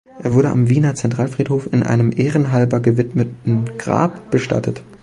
Er wurde am Wiener Zentralfriedhof in einem ehrenhalber gewidmeten Grab bestattet.